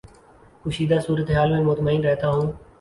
کشیدہ صورت حال میں مطمئن رہتا ہوں